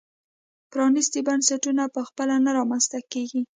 پرانیستي بنسټونه په خپله نه رامنځته کېږي.